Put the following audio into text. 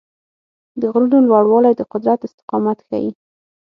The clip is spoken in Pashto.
د غرونو لوړوالی د قدرت استقامت ښيي.